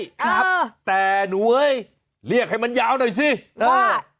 ครับแต่หนูเอ้ยเรียกให้มันยาวหน่อยสิว่า